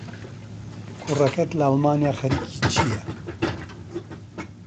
کوڕەکەت لە ئەڵمانیا خەریکی چییە؟